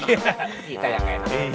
kita yang enak